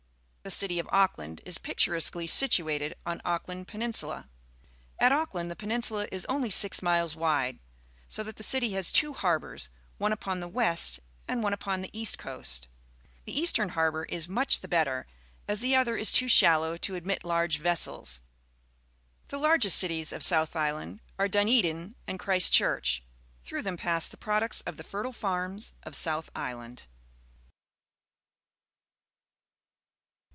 TRelilty'of Auckland is picturesquely situated on Auckland Peninsula. At Auckland the peninsula is only six miles wade, so that the city has two harbours, one upon the west and one upon the east coast. The eastern harbour is much the better, as the other is too shallow to admit large vessels. The largest cities of South Island are Dunedin and Christchurch. Through them pass the products of the fertile farms of South Island.